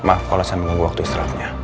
maaf kalau saya menunggu waktu istirahatnya